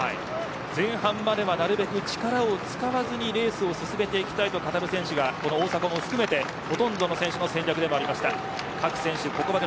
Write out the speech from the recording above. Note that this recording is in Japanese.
前半まではなるべく力を使わずレースを進めたいと語る選手が大迫を含めてほとんどの選手の戦略でした。